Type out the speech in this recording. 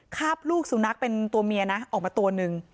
คาบลูกสุนัขเป็นตัวเมียนะออกมาตัวหนึ่ง